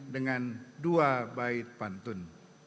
dengan dua baik bantun